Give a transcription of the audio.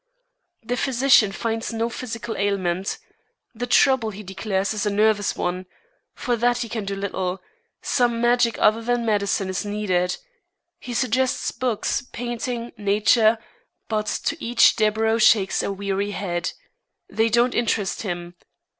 The physician finds no physical ailment. The trouble, he declares, is a nervous one. For that he can do little. Some magic other than medicine is needed. He suggests books, painting, nature, but to each Deburau shakes a weary head. They don't interest him.